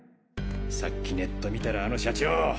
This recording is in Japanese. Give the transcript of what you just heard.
さっきネット見たらあの社長